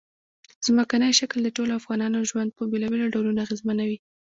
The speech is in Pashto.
ځمکنی شکل د ټولو افغانانو ژوند په بېلابېلو ډولونو اغېزمنوي.